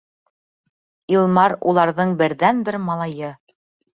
Илмар уларҙың берҙән-бер малайы.